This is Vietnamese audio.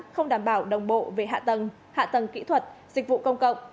không đảm bảo đồng bộ về hạ tầng hạ tầng kỹ thuật dịch vụ công cộng